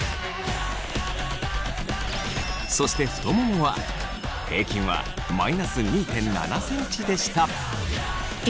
そして太ももは平均は−２．７ｃｍでした。